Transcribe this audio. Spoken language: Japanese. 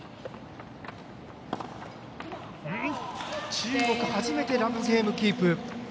中国、初めてラブゲームキープ。